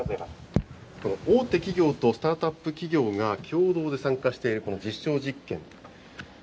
大手企業とスタートアップ企業が、共同で参加しているこの実証実験。